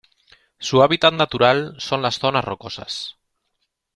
Su hábitat natural son las zonas rocosas.